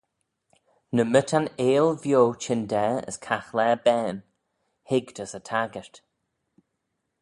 Ny my ta'n eill vio chyndaa as caghlaa bane: hig gys y taggyrt.